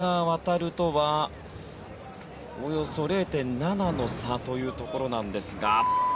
３位の谷川航とはおよそ０．７の差というところなんですが。